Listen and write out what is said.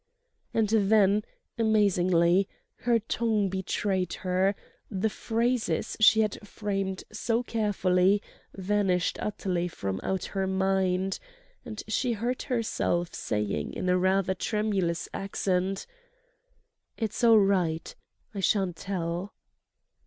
And then, amazingly, her tongue betrayed her, the phrases she had framed so carefully vanished utterly from out her mind; and she heard herself saying in rather tremulous accents: "It's all right. I shan't tell."